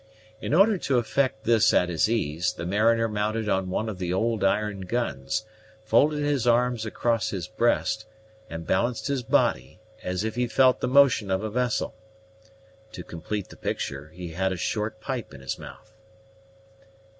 In order to effect this at his ease, the mariner mounted on one of the old iron guns, folded his arms across his breast, and balanced his body, as if he felt the motion of a vessel. To complete the picture, he had a short pipe in his mouth.